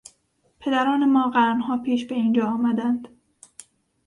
پدران ما قرنها پیش به اینجا آمدند.